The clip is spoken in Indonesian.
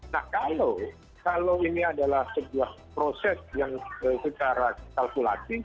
nah kalau ini adalah sebuah proses yang secara kalkulatif